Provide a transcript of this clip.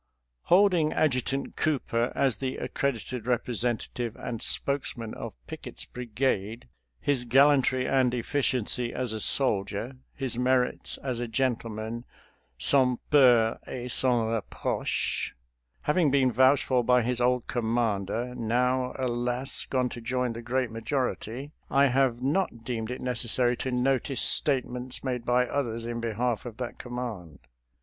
Holding Adjutant Cooper as the accredited representative and spokesman of Pickett's bri gade — ^his gallantry and efficiency as a soldier, his merits as a gentleman, sans peur et sans re proche, having been vouched for by his old com mander, now, alas, gone to join the great majority — I have not deemed it necessary to notice statements made by others in behalf of that command.